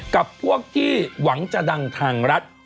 กับพวกที่หวังจะดังทางรัฐ